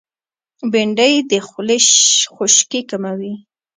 بېنډۍ د خولې خشکي کموي